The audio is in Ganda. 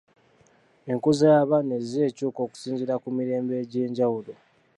Enkuza y'abaana ezze ekyuka okusinziira ku mirembe egy'enjawulo.